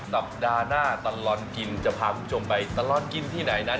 สัปดาห์หน้าตลอดกินจะพาคุณผู้ชมไปตลอดกินที่ไหนนั้น